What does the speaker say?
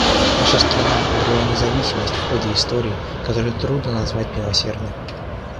Наша страна обрела независимость в ходе истории, которую трудно назвать милосердной.